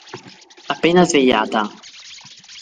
Appena svegliata.